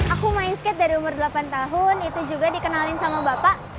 aku main skate dari umur delapan tahun itu juga dikenalin sama bapak